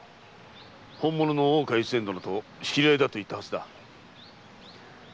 本物の大岡越前殿と知り合いだと言ったはずだ。